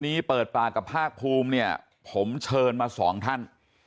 เปิดปากกับภาคภูมิเนี่ยผมเชิญมาสองท่าน